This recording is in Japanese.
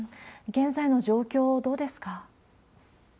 現在の状況、どうですか？